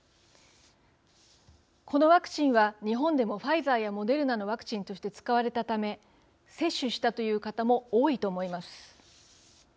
このワクチンは、日本でもファイザーやモデルナのワクチンとして使われたため接種したという方も多いと思います。